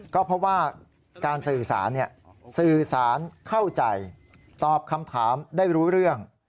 ก็เพราะว่าการสื่อสารสื่อสารเข้าใจตอบคำถามได้รู้เรื่อง